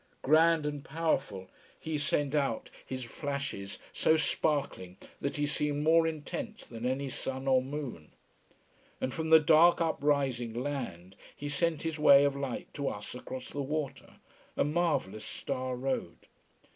Grand and powerful he sent out his flashes, so sparkling that he seemed more intense than any sun or moon. And from the dark, uprising land he sent his way of light to us across the water, a marvellous star road.